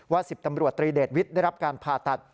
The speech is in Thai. ๑๐ตำรวจตรีเดชวิทย์ได้รับการผ่าตัด